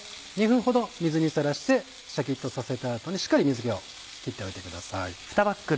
２分ほど水にさらしてシャキっとさせた後にしっかり水気をきっておいてください。